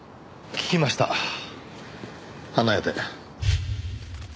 聞きました花屋で。